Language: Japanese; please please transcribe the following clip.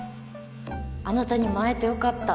あなたにも会えて良かった。